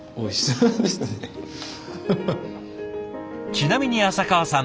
ちなみに浅川さん